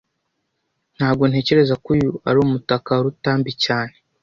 Ntago ntekereza ko uyu ari umutaka wa Rutambi cyane